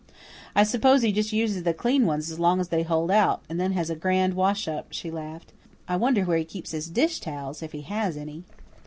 "I suppose he just uses the clean ones as long as they hold out, and then has a grand wash up," she laughed. "I wonder where he keeps his dish towels, if he has any."